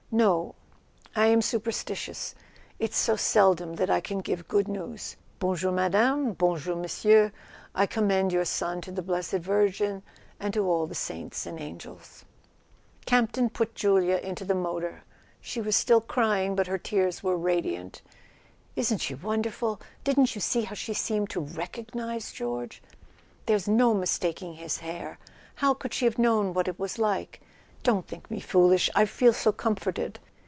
"No. I am super¬ stitious; it's so seldom that I can give good news. Bon jour , madame , bonjour , monsieur. I commend your son to the blessed Virgin and to all the saints and angels." Campton put Julia into the motor. She was still crying, but her tears were radiant. "Isn't she wonder¬ ful ? Didn't you see how she seemed to recognize George ? There's no mistaking his hair! How could she have known what it was like? Don't think me foolish—I feel so comforted!"